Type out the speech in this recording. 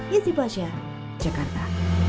yesi pasha jakarta